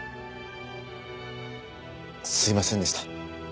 すいませんでした。